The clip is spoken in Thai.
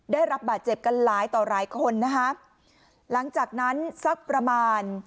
ได้รับบาดเจ็บกันหลายต่อหลายคนนะคะหลังจากนั้นสักประมาณ